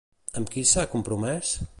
Amb qui s'ha compromès?